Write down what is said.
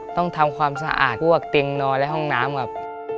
ต้องทำความสะอาดพวกเตียงนอนและห้องน้ำครับ